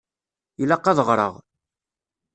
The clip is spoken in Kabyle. Ilaq ad ɣṛeɣ.